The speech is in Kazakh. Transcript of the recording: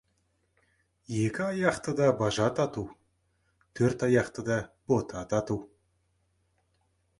Екі аяқтыда бажа тату, төрт аяқтыда бота тату.